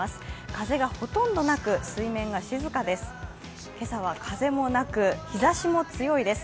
風がほとんどなく、水面が静かです